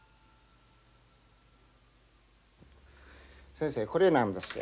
先生これなんですよ。